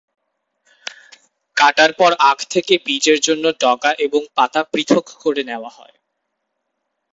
কাটার পর আখ থেকে বীজের জন্য ডগা এবং পাতা পৃথক করে নেওয়া হয়।